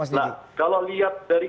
nah kalau lihat dari